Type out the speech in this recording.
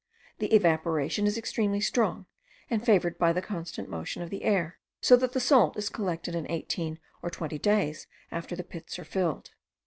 The evaporation is extremely strong, and favoured by the constant motion of the air; so that the salt is collected in eighteen or twenty days after the pits are filled.